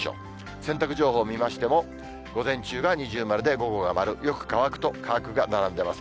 洗濯情報を見ましても、午前中が二重丸で、午後が丸、よく乾くと乾くが並んでます。